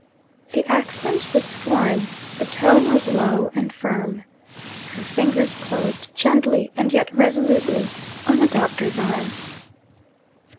The accent was foreign; the tone was low and firm. Her fingers closed gently, and yet resolutely, on the Doctor's arm.